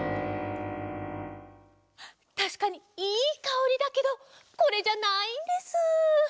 たしかにいいかおりだけどこれじゃないんです。